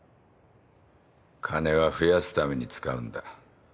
金は増やすために使うんだ